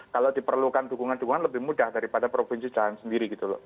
kalau diperlukan dukungan dukungan lebih mudah daripada provinsi jalan sendiri gitu loh